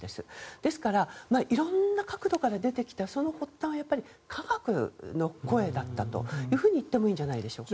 ですから、いろんな角度から出てきた発端は科学の声だったというふうにいってもいいんじゃないでしょうか。